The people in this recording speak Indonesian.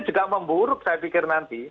juga memburuk saya pikir nanti